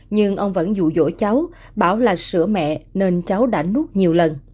nhưng ông vẫn dụ dỗ cháu bảo là sữa mẹ nên cháu đã nuốt nhiều lần